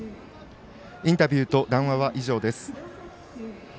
インタビューと談話は以上です。